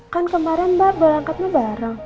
kan kemarin mbak berangkatnya bareng